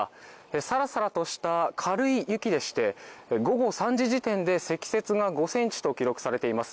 サラサラとした軽い雪でして午後３時時点で積雪が５ｃｍと記録されています。